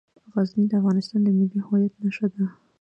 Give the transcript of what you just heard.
غزني د افغانستان د ملي هویت نښه ده.